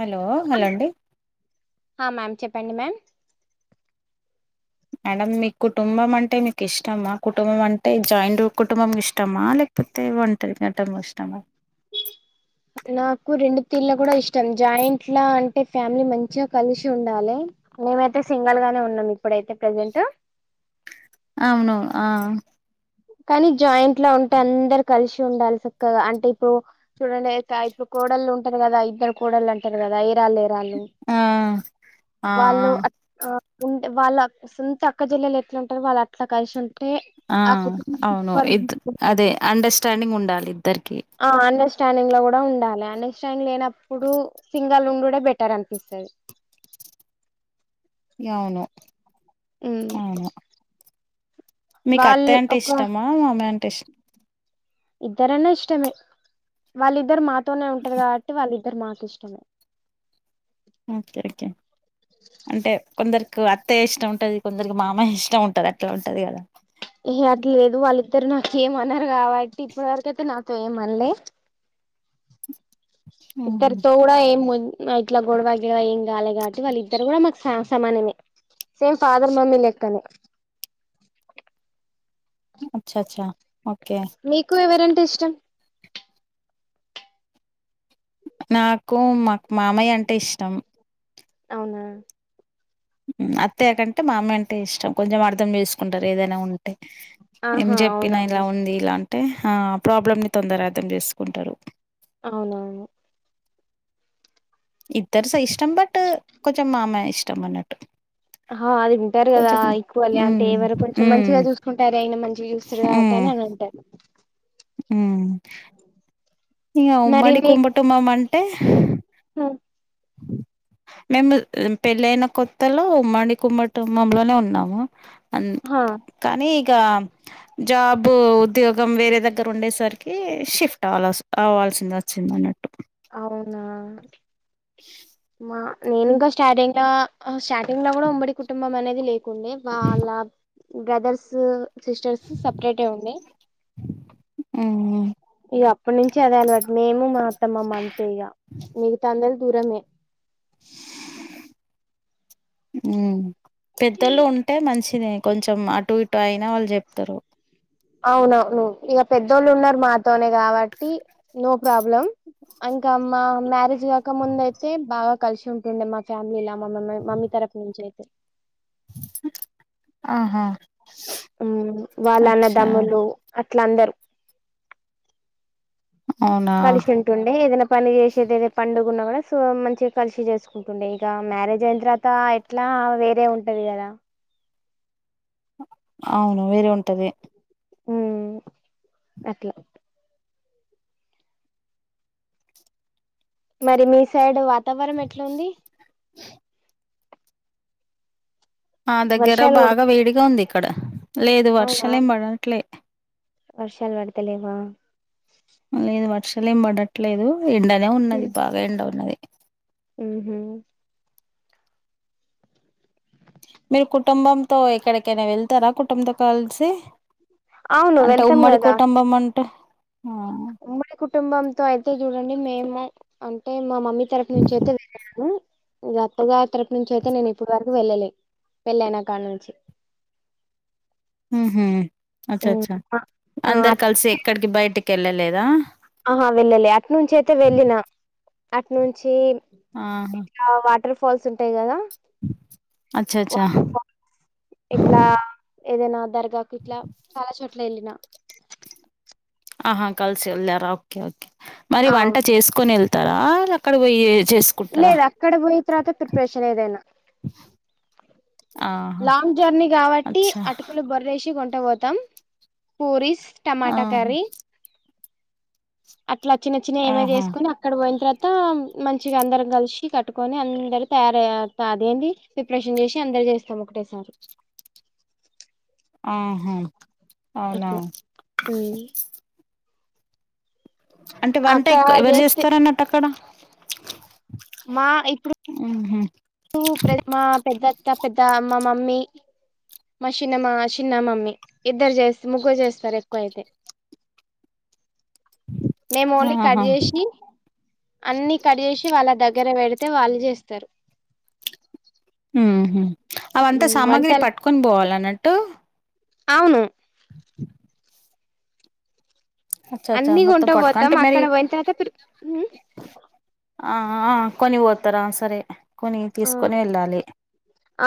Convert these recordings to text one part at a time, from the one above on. Hello hello అండి హా ma'am చెప్పండి మ్యామ్ మేడం మీకు కుటుంబం అంటే మీకు ఇష్టమా కుటుంబం అంటే జాయింట్ కుటుంబం ఇష్టమా లేకపోతే ఒంటరిగా ఉంటం ఇష్టమా నాకు రెండు తీళ్ళ కూడా ఇష్టం జాయింట్లా అంటే ఫ్యామిలీ మంచిగా కలిసి ఉండాలె మేమైతే సింగల్ గానే ఉన్నాం ఇప్పుడైతే ప్రెజెంట్ అవును ఆ కానీ జాయింట్ లో ఉంటే అందరు కలిసి ఉండాలి చక్కగా అంటే ఇప్పుడు చూడండి ఆయిక్ ఇక ఇప్పుడు కోడళ్ళు ఉంటారు కదా ఇద్దరు కోడళ్ళు అంటారు కదా ఏరాళ్ళు ఏరాళ్ళు హా ఆ ఆ వాళ్ళు అట్ ఆ ఉంటే వాళ్ళ సొంత అక్క చేల్లలు ఎట్ల ఉంటారో వాళ్ళు అట్ల కలిసి ఉంటే ఆ కుటుం అవును ఇద్ అదే అండర్స్టాండింగ్ ఉండాలి ఇద్దరికి ఆ అండర్స్టాండింగ్ లో కూడా ఉండాలె అండర్స్టాండింగ్ లేనప్పుడు సింగల్ ఉండుండే బేట్ టర్ అనిపిస్తది ఈ అవును ఉమ్ అవును మీకు వాళ్ళ అత్తయ్య అంటే ఒక ఇష్టమా మామయ్య అంటే ఇష్ ఇద్దరు అన్న ఇష్టమే వాళ్ళిద్దరు మాతోనే ఉంటారు కాబట్టి వాళ్ళిద్దరు మాకు ఇష్టమే ఓకే ఓకే అంటే కొందరు కి అత్తయ్య ఇష్టం ఉంటది కొందరికి మామయ్య ఇష్టం ఉంటది అట్లా ఉంటది కదా హేహే అట్ల లేదు వాళ్ళిద్దరు నాకు ఏమి అన్నారు కాబట్టి ఇప్పటి వరకు అయితే నాతో ఏమి అన్న లే ఇద్దరితో కూడా ఏం మున్ నా ఇట్ల గొడవ గిడవ ఏం కాలే కాబట్టి వాళ్ళ ఇద్దరు కూడా మాకు స సమానమే సేమ్ ఫాదర్ మమ్మీ లెక్కనే అచ్చ అచ్చ ఓకే మీకు ఎవరు అంటే ఇష్టం నాకు మాక్ మామయ్య అంటే ఇష్టం అవునా ఉ అత్తయ్యకంటే మా మామయ్య అంటే ఇష్టం కొంచెం అర్ధం చేసుకుంటారు ఏదైనా ఉంటే ఏం ఆహా చెప్పినా ఇలా అవునవును ఉంది ఇలా అంటే ఆ ప్రాబ్లమ్ ని తొందరగా అర్ధం చేసుకుంటారు అవును అవును ఇద్దరు సాయి ఇష్టం బట్ కొంచెం మామయ్య ఇష్టం ఆన్నట్టు హా అది ఉంటారు కదా ఈక్వాలి అంటే ఉమ్ ఎవరు కొంచెం ఉమ్ మంచిగా చూసుకుంటారు అయినా మంచిగా చూస్తారు గా టేనే అని అంటారు హు ఇంగ మరి ఉమ్మడి కుంబుటుమము అంటే అ మేము పెళ్లి అయినా కొత్తలో ఉమ్మడి కుంభటుంబంలోనే ఉన్నాము ఆన్ హా కానీ ఇక జాబ్ ఉద్యోగం వేరే దగ్గర ఉండేసరికి షిఫ్ట్ అవల్ అవవాల్సి వస్ సింది అన్నట్టు అవునా మా నేను ఇంకా స్టార్టింగ్ లా హా స్టార్టింగ్ లో కూడా ఉమ్మడి కుటుంబం అనేది లేకుండే వాళ్ళ బ్రదర్స్ సిస్టర్స్ సపరేట్ ఉన్నే ఉ ఉ ఇగ అప్పడు నుంచి అదే అలవాటు మేము మా అత్త మామ అంతే ఇగ మిగతా అందరు దూరమే ఊ పెద్దోళ్ళు ఉంటే మంచిదే కొంచెం అటు ఇటు అయినా వాళ్ళు చెప్తారు అవునవును ఇక పెద్దోళ్ళు ఉన్నారు మాతోనే కాబట్టి నో ప్రాబ్లం అంకే మా మ్యారేజ్ కాక ముందు అయితే బాగా కలిసి ఉంటుండే మా ఫ్యామిలీ లా మా మమై మమ్మీ తరుపు నుంచి అయితే ఆహా ఉ వాళ్ళ అచ్చా అన్నదమ్ములు అట్ల అందరు అవునా కలిశం కల్సూన్ డే ఏదైనా పని చేసే ఏద పండుగ అంటుండే ఏదన్న పని చేసేది పండగ ఉన్నా కూడా సో మంచిగా కలిసి చేసుకుంటుండే ఇంక మ్యారేజ్ అయిన తర్వాత అట్లా వేరే ఉంటది కదా అవును వేరే ఉంటది హుమ్ అట్లా మరి మీ సైడ్ వాతావరం ఎట్లా ఉంది మా దగ్గర వర్షాలు కొడు బాగా వేడిగా ఉంది ఇక్కడ లేదు వర్షలు ఏం పడట్లే వర్షలు పడతలేవా లేదు వర్షలు ఏం పడట్లేదు ఎండనే ఉన్నది బాగా ఎండ ఉన్నది ఉహు మీరు కుటుంబంతో ఎక్కడకైనా వెళ్తారా కుటుంబంతో కలిసి అవును అంటే వెళ్తాం ఉమ్మడి కదా కుటుంబం అంటే హ ఉమ్మడి కుటుంబంతో అయితే చూడండి మేము అంటే మా మమ్మీ తరపు నుంచి అయితే వెళ్ళాను ఇగ అత్తగారి తరపు నుంచి అయితే నేను ఇప్పటి వరకు వెళ్ళలే పెళ్ళనా కాడ నుంచి హు హూ అచ్చా ఉమ్ అచ్చా ఆ అందరు కలిసి ఎక్కడికి బయటికి వెళ్ళలేదా ఆహా వెళ్ళాలే అటు నుంచి అయితే వెళ్ళిన అటు నుంచి ఆహా ఆ వాటర్ ఫాల్స్ ఉంటాయి కదా అచ్చా అచ్చా వాటర్ ఫాల్స్ ఇట్లా ఏదైనా దర్గాకు ఇట్లా చాలా చోట్ల ఏళ్ళిన ఆహా కలిసి వెళ్ళరా ఒకే ఒకే మరి వంట అవును చేసుకొని వెళ్తారా అక్కడ పోయి చేసు లేదు అక్కడ పోయిన తర్వాత ప్రిపరేషన్ ఏదైనా ఆహా! లాంగ్ జర్నీ కాబట్టి అచ్చా! అటుకులు బొరదేసి కొంట పోతాం పూరిస్ టమాటా ఆహా! కర్రీ అట్లా చ్చిన చ్చిన ఏమ ఆహా! చేసుకోన అక్కడ పోయిన తర్వాత మంచిగా అందరం కలిసి కట్టుకొని అందరు తయారయ్య అదేంది ప్రిపరేషన్ చేసి అందరు చేస్తాం ఒకటేసారి ఆహా అవునా! అట్లా ఉమ్ అంటే వంట అక్క ఎక్కువ ఎవరు చేస్తే చేస్తార అన్నట్టు అక్కడ మా ఇప్పుడు ఆహ ఓ పెద్దమా పెద్దత్త పెద్ద మా మమ్మీ మా చిన్నమా చిన్న మమ్మీ ఇద్దరు చేస్త ముగ్గు చేస్తారు ఎక్కువ అయితే మేము ఓన్లీ కట్ ఆహా! చేసి అన్ని కట్ చేసి వాళ్ళ దగ్గర పెడితే వాళ్ళు చేస్తారు ఉ హు అవంతా సామాగ్రి వంటలు పట్టుకొని పోవాల అన్నట్టు అవును [inaudible] అచ్చా అచ్చా అన్ని మొత్తం కొంట పోతాం పట్టుకో మరి అక్కడ పోయిన తర్వాత ప్రి ఆ కొని పోతారా సరే కొని ఆ తీసుకొని వెళ్ళాలి ఆ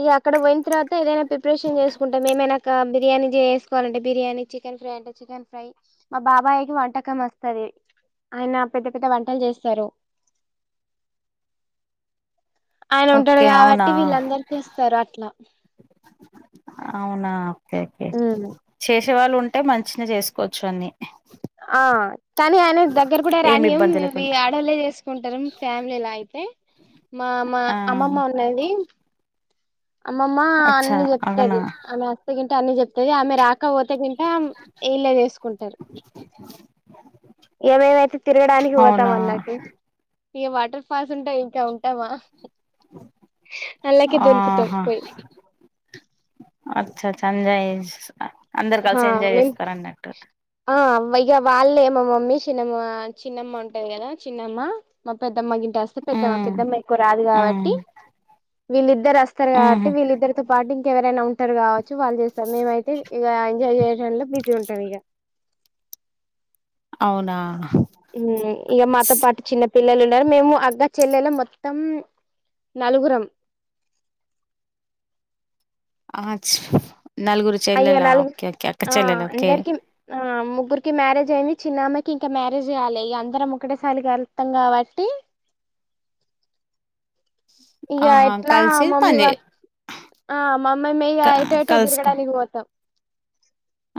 ఇక అక్కడ పోయిన తర్వాత ఏదైనా ప్రిపరేషన్ చేసుకుంటే మేమైనా బిర్యానీ చేసుకోవాలంటే బిర్యానీ చికెన్ ఫ్రై చికెన్ మా బాబాయకి వంటకం వస్తది ఆయన పెద్ద పెద్ద వంటలు చేస్తారు ఆయన ఉంటాడు ఓకే. అవునా! కాబట్టి వీళ్ళందరు చేస్తారు అట్లా అవునా ఓకే ఓకే ఉమ్ చే శివాళు ఉంటే మంచిగానే చేసుకోవచ్చు అన్ని ఆ కానీ ఆయన దగ్గర కూడా ఏమి రానియం ఇబ్బంది ఇవి లేకుండా. ఆడళ్లే చేసుకు కుంటారు ఫ్యామిలీలా అయితే మామ మా ఆహా అమ్మమ్మ ఉన్నది అమ్మమ్మ అచ్చా అన్ని అవునా చెప్తది ఆమె కంట అన్ని చెప్తది ఆమె రాకపోతే కింట ఇళ్లేచేసుకుంటారు [inaudible] ఇగమేమైతే తిరగడానికి పోతాం అవునా అన్నట్టు ఇగ వాటర్ ఫాల్స్ ఉంటయి ఇకా ఉంటామా అళ్ళకే దునుకుతాం ఆహా పోయి అచ్చ అచ్చా ఎంజాయ్ అందరు ఆ కలిసి ఎంజాయ్ మేం చేస్తారు అన్నట్టు ఆ ఇక వాళ్ళే మా మమ్మీ చిన్నమ్మ చిన్నమ్మ ఉంటంది కదా చిన్నమ్మ మా పెద్దమ్మ గింటే వస్తే పెద్దమ్మ ఉమ్ పెద్దమ్మ ఎక్కువ రాదు ఉమ్ కాబట్టి వీళ్ళిద్దరు వస్తారు కాబట్టి ఉహు వీళ్ళిద్దరితో పాటు ఇంకెవరైనా ఉంటారు కావచ్చు వాళ్ళు చేస్తారు మేమైతే ఇక ఎంజాయ్ చేయడాంలో బీతి ఉంటాంది ఇక అవునా హ ఇక మాతో పాట చిన్న పిల్లలు ఉన్నారు మేము అగ్గ చెల్లెల మొత్తం నలుగురం నలుగురు అయ్యో చెల్లాలా నలుగు ఓకే ఓకే అక్క ఆ చెల్లాలా ఓకే అందరికి ఆ ముగ్గురికి మ్యారేజ్ అయింది చిన్నమ్యికి ఇంకా మ్యారేజ్ కయాలి అందరం ఒకటేసారికి కలుస్తాం కాబట్టి అ ఇక ఎట్లా మమ్మీ ఆ మమ్మీ క మ ఎటో ఎటో కలుసుకో తిరగడానికి పోతాం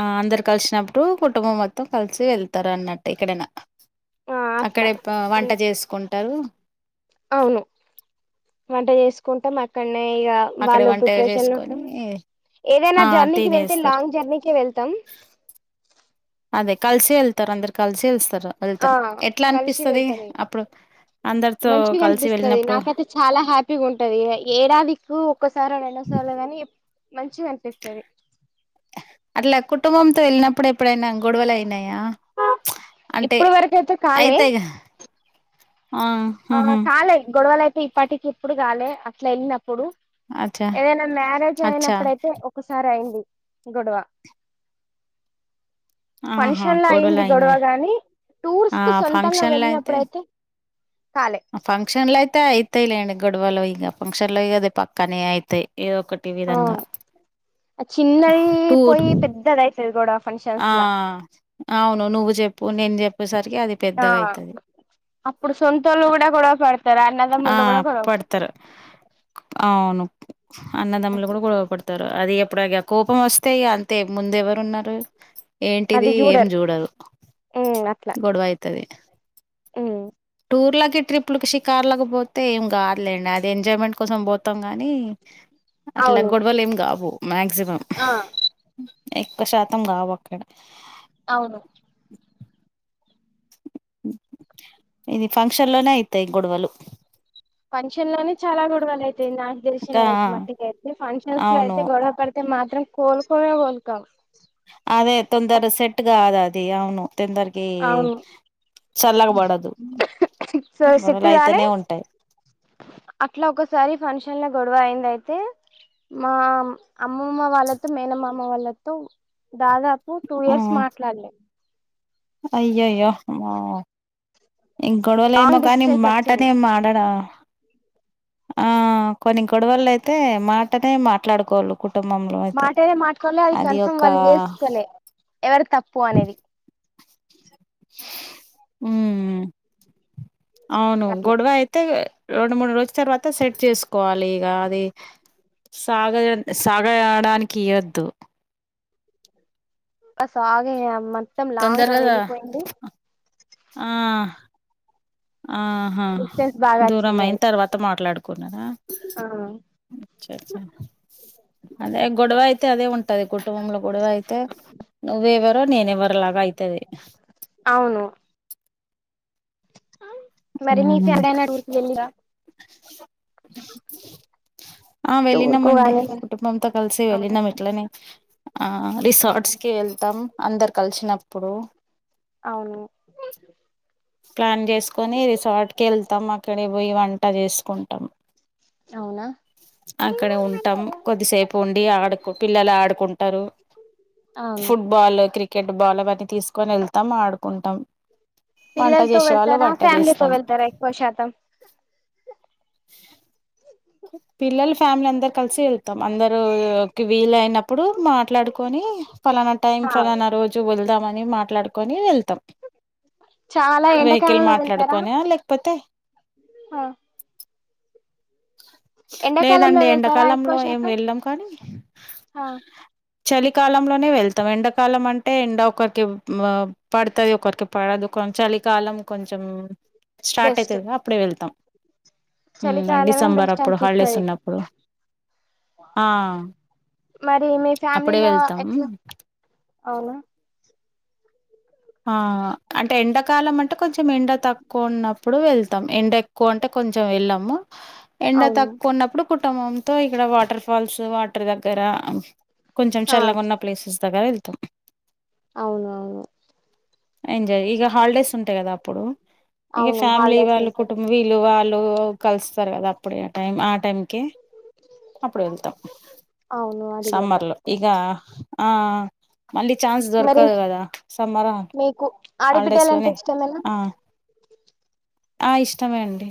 ఆ అందరు కలిసినప్పుడు కుటుంబం మొత్తం కలిసి వెళ్తారు అన్నట్టు ఎక్కడైనా ఆ అట్లా అక్కడే వంట చేసుకుంటారు అవును వంట చేసుకుంటాం అక్కడనే ఇక అక్కడే వాళ్ళు వంట ప్రిపరేషన్లు చేసుకొని ఉంటాం ఏదైనా ఆ జర్నీకి వెళ్తే తినేస్తారు లాంగ్ జర్నీకి వెళ్తాం అదే కలిసే వెళ్తారూ అందరు కలిసే వస్తారు ఆ వెళ్తారు ఎట్లా కలిసి అనిపిస్తుంది వెళ్తాం ఇగ అప్పుడు అందరితో మంచిగా కలిసి అనిపిస్తది వెళ్ళినప్పుడు నాకైతే చాలా హ్యాపీగా ఉంటది ఏడాదికు ఒక్కసారో రెండోసార్లో గాని మంచిగా అనిపిస్తుంది అట్లా కుటుంబంతో వెళ్ళినప్పుడు ఎప్పుడైనా గొడవలు అయినాయా అంటే ఇప్పుడు వరకు అయితే కాలే అయితాయిగా ఆ ఆ ఉహు కాలే గొడవలు అయితే ఇప్పటికి ఎప్పుడు కాలే అసలా వెళ్ళినప్పుడు అచ్చా ఏదైనా మ్యారేజ్ అచ్చా అయినప్పుడయితే ఒకసారి అయింది గొడవ ఆహా ఫంక్షన్ లో గొడవలు అయింది గొడవ అయినాయి గాని టూర్స్ ఆ కు సొంతంగా ఫంక్షన్లో వెళ్ళినప్పుడయితే కాలే ఫంక్షన్ లో అయితే అయితాయిలేండి గొడవలు ఇంక ఫంక్షన్ లో అది పక్కనే అయితాయి ఇ ఒకటి ఆ విధంగా ఆ చిన్నది టూర్ పోయి పెద్దది అయితది గొడవ ఫంక్షన్స్ ఆ లా అవును నువ్వు చెప్పు నేను చెప్పేసరికి అది ఆ పెద్దగా అయితది అప్పుడు సొంతోళ్ళు కూడా గొడవ పడతారు ఆ అన్నదమ్ముళ్ళు కూడా గొడవ పడతారు అవును అన్న తమ్ములు అట్లా కూడా గొడవ పడుతారు చెతారు అది ఎప్పుడు కోపం వస్తె ఇగ అంతే ముందు ఎవరున్నారు ఏంటిది అది ఏం చూడరు చూడదు ఉమ్ అట్లా గొడవ అయితది ఉమ్ టూర్లకి ట్రిప్కి షికార్లకు పోతే ఏం కాదులేండి అది ఎంజాయ్మెంట్ కోసం పోతాం కానీ అట్లా అవును గొడవలు ఏం కావు మాక్సిమం ఆ ఎక్కువ శాతం కావు అక్కడ అవును ఇది ఫంక్షన్ లోనే అయిత ఈ గొడవలు పంక్షన్ లోనే చాలా గొడవలు అయితే నా దర్శి ఇంకా అయితే మట్టుకి అయితే ఫంక్షన్స్ లో అవును అయితే గొడవ పడితే మాత్రం కోలుకోమే కోలుకోం అదే తొందర సెట్గా కాద అది అవును తొందరకి అవును చల్లగబడదు సో గొడలు సెట్టు కాలే అయితేనే ఉంటాయి అట్లా ఒసారి ఫంక్షన్ లో గొడవ అయింది అయితే మా అమ్మమ్మ వాళ్ళతో మేనమ్మమ వాళ్ళతో దాదాపు టూ ఇయర్స్ మార్ట్లాలే అయ్యో య్యో అమ్మో ఇంకా గొడవలే ఏమో లాంగ్ కానీ డిస్టెన్స్ వచ్చింది మాటనే మాడడా ఆ కొన్ని గొడవలు అయితే మాటనే మాట్లాడుకోలు కుటుంబంలో అయితే మాటనే మాట్లాడలే అది కన్ఫర్మ్ ఒక వాళ్ళు చేసుకోలే ఎవరి తప్పు అనేది ఉ అవును అట్లా గొడవ అయితే రెండు మూడు రోజు తర్వాత సెట్ చేసుకోవాలి ఇక అది సాగ సాగ అయడానికి ఇయ్వొద్దు ఇంక సాగే అమ్మ తొందర కదా ఆ ఆహా డిస్టెన్స్ బాగా దూరం వచ్చింది అయిన అది తర్వాత మాట్లాడుకున్నారా ఆ అచ్చ అచ్చ అదే గొడవ యితే అదే ఉంట ది కుటుంబంలో గొడవ అయితే నువ్వ ఎవరో నేను ఎవరో లాగా అయితది అవును మరి నీ ఊహు ఫ అడైనాడు ఊరికి వెళ్ళివా అ ఆ టూర్ వెళ్ళినాం కు అండి గాని కుటుంబంతో కలిసి అవునా వెళ్ళినాం ఇట్లనే ఆ అవునా రిసార్ట్స్ కి వె ళ్తాం అందరు కలిసినప్పుడు అవును ప్లాన్ చేసుకొని రిసార్ట్కి వెళ్తాం అక్కడ పోయి వంట చేసుకుంటాం అవునా అక్కడే ఉంటాం కొద్దిసేపు ఉండి ఆడుకో పిల్లలు ఆడుకుంటారు అవును ఫుట్బాల్ క్రికెట్ బాల్ అవన్నీ తీసుకొని వెళ్తాం ఆడుకుంటాం వంట పిల్లలతో చేసే వాళ్ళు వెళ్తారా వంట ఫ్యామిలీతో చేస్తాం వెళ్తారా ఎక్కువ శాతం పిల్లలు ఫ్యామిలీ అందరు కలిసి వెళ్తాం అందరు వీల అయినప్పుడు మాట్లాడుకొని ఫలానా టైం ఆ ఫలానా రోజు వెళ్దాం అని మాట్లాడుకోని వెళ్తాం చాలా వెహికల్ ఎండాకాలంలో వెళ్తారా మాట్లాడుకొన లేకపోతే ఆ ఎండాకాలంలో లేదండి వెళ్తారా ఎక్కువ ఎండాకాలంలో ఏం శాతం వెళ్ళం కానీ ఆ చలికాలంలోనే వెళ్తాం ఎండాకాలం అంటే ఎండ ఒకరికి పడుతది ఒకరికి పడదు చలికాలం కొంచెం స్టార్ట్ బెస్ట్ అయితది కదా అప్పుడే వెళ్తాం చలికాలమే డిసెంబర్ బెస్ట్ హాలిడేస్ అనిపిస్తది అప్పుడు ఆ మరి మీ అప్పుడే వెళ్తాం అవునా ఆ అంటే ఎండాకాలం అంటే కొంచెం ఎండ తక్కువ ఉన్నప్పుడు ఎల్తాం ఎండ ఎ క్కువ అంటే కొంచెం వెళ్ళము ఎండ అవును తక్కువ ఉన్నప్పుడు కుటుంబంతో ఇక్కడ వాటర్ ఫాల్స్ వాటర్ దగ్గర కొంచెం ఆ చల్లగున్న ప్లేసెస్ దగ్గర వ ఎల్తం అవున ఎంజాయ్ ఇక హాలిడేస్ ఉంటాయి కదా అప్పుడు ఇక అవును ఫ్యామిలీ హాలిడేస్ వాళ్ళు ఉంటాయి కుటుంబ వీళ్ళు వాళ్ళు కలుస్తారు కదా అప్పుడ టైం ఆ టైంకె అప్పుడు ఎల్తం అవును అది కూడా సమ్మర్ లో కరెక్టే ఇక ఆ ఆ మళ్ళీ ఛాన్స్ మరి దొరకదు కదా సమ్మర మీకు హాలిడేస్ ఆడబిడ్డలంటే లోనే ఇష్టమేనా ఆ ఇష్టంమే అండి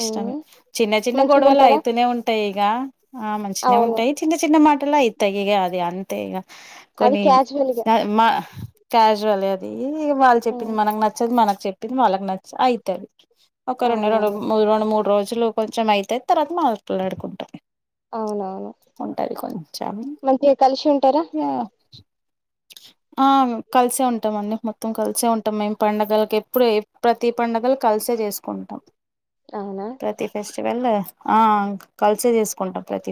ఇష్టమే ఉమ్ చిన్న చిన్న గొడవలు మంచిగుంటారా అయితూనే ఉంటాయి ఇగ ఆ మంచినే అవును ఉంటాయ్ చిన్న చిన్న మాటలే అయితయ్ ఇగ అది అంతే ఇగ అది కొన్ని క్యాజువల్గా మా క్యాజువల్ అది వాళ్ళు చెప్పింది మనకు నచ్చదు మనకు చెప్పింది వాళ్ళకి నచ్చ అయితాయ్ ఒక రెండు అవునవును రెండు రెండు మూడు రోజులు కొంచెం అయితది తర్వాత మాట్లాడుకుంటం అవునవును ఉంటది కొంచెం మంచిగా కలిసి ఉంటారా ఆ ఆమ్ కలిసేఉంటాం అండి మొత్తం కలిసే ఉంటాం మేము పండుగలకి ఎప్పుడ ప్రతీ పండుగలు కలిసే చేసుకుంటాం అవునా ప్రతి ఫెస్టివెల్ ఆ కలిసె చేసుకుంటాం ప్రతి